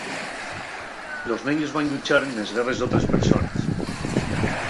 Los neños van lluchar nes guerres d'otres persones.